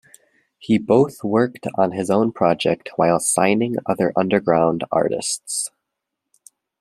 He both worked on his own project while signing other underground artists.